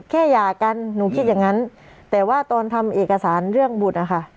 หย่ากันหนูคิดอย่างนั้นแต่ว่าตอนทำเอกสารเรื่องบุตรนะคะ